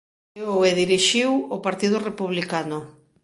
Creou e dirixiu o Partido Republicano.